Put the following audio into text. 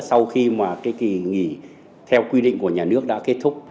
sau khi mà cái kỳ nghỉ theo quy định của nhà nước đã kết thúc